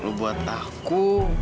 lu buat aku